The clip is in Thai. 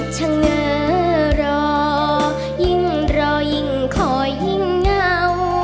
เฉงอรอยิ่งรอยิ่งขอยิ่งเงา